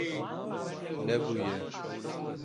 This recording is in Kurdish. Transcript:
Nebûye.